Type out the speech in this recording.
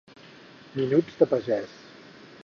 Minuts de pagès.